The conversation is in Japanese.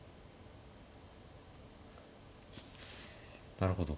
なるほど。